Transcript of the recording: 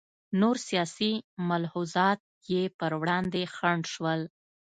نور سیاسي ملحوظات یې پر وړاندې خنډ شول.